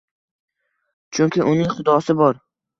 Chunki uning Xudosi bor.